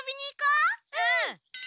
うん！